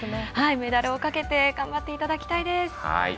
メダルをかけて頑張っていただきたいです。